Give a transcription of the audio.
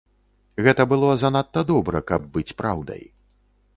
Гэта было занадта добра, каб быць праўдай.